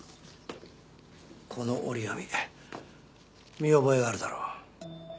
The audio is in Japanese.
この折り紙見覚えあるだろ？